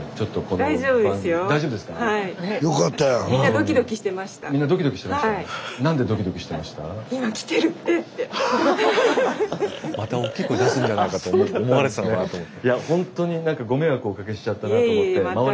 スタジオまたおっきい声出すんじゃないかと思われてたのかなと思って。